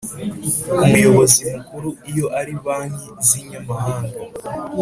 Umuyobozi Mukuru iyo ari banki z inyamahanga